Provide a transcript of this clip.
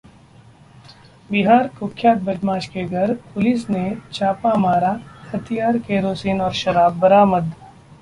बिहारः कुख्यात बदमाश के घर पुलिस ने मारा छापा, हथियार, केरोसिन और शराब बरामद